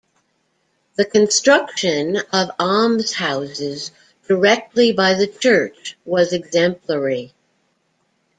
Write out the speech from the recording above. The construction of almshouses directly by the church was exemplary.